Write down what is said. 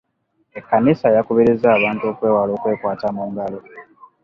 Ekkanisa yakubirizza abantu okwewala okwekwata mu ngalo.